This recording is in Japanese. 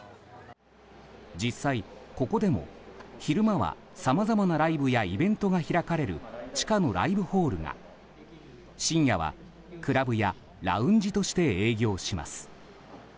実際ここでも昼間はさまざまなライブやイベントが開かれる地下のライブホールが深夜は、クラブやラウンジとして営業します。